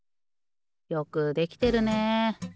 よくできてるね。